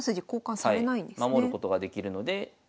はい守ることができるので。